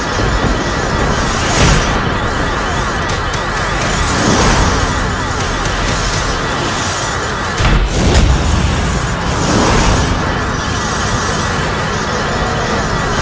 jangan lupa like share dan subscribe ya